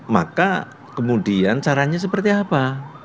maka kemudian caranya seperti apa